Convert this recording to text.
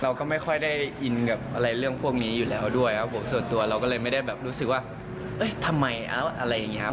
เราก็ไม่ค่อยได้อินกับอะไรเรื่องพวกนี้อยู่แล้วด้วยครับผมส่วนตัวเราก็เลยไม่ได้แบบรู้สึกว่าเอ้ยทำไมอะไรอย่างนี้ครับ